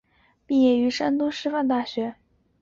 毕业于山东师范大学中文专业。